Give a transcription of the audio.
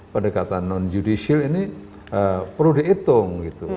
pendekatan non judicial ini perlu dihitung